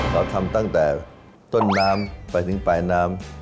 เราทำตั้งแต่ต้นน้ำไปถึงปลายน้ำ